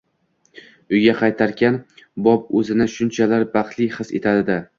Uyga qaytarkan, Bob oʻzini shunchalar baxtli his etardi.